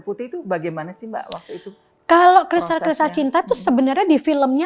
putih itu bagaimana sih mbak waktu itu kalau kristal kristal cinta tuh sebenarnya di filmnya